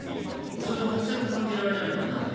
それが全く感じられないのはなんでか。